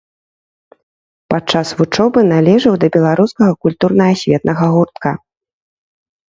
Падчас вучобы належаў да беларускага культурна-асветнага гуртка.